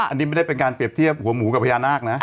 อันนี้ไม่ได้เป็นการเปรียบเทียบหัวหมูกับพญานาคนะ